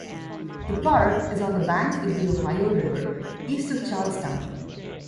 The park is on the banks of the Ohio River, east of Charlestown.